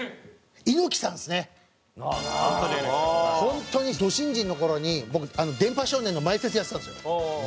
本当にド新人の頃に僕『電波少年』の前説やってたんですよ。